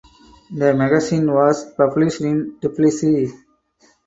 The magazine was published in Tbilisi.